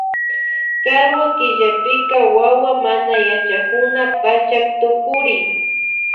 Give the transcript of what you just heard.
Karwa killapika wawa manayachakuna pachak tukurin